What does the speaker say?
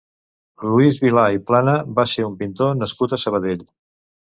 Lluís Vila i Plana va ser un pintor nascut a Sabadell.